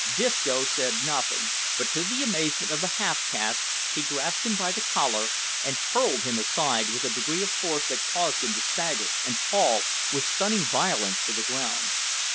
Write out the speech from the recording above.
Disco said nothing, but to the amazement of the half caste, he grasped him by the collar, and hurled him aside with a degree of force that caused him to stagger and fall with stunning violence to the ground.